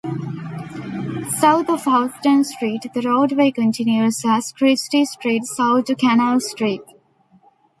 South of Houston Street, the roadway continues as Chrystie Street south to Canal Street.